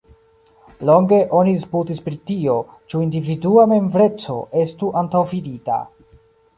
Longe oni disputis pri tio, ĉu individua membreco estu antaŭvidita.